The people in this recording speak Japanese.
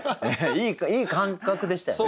いい感覚でしたよね？